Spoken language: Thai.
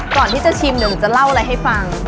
ก่อนที่จะชิมเดี๋ยวหนูจะเล่าอะไรให้ฟัง